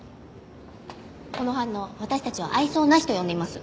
この反応私たちは愛想なしと呼んでいます。